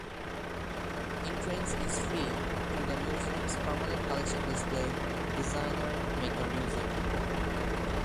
Entrance is free to the museum's permanent collection display, "Designer Maker User".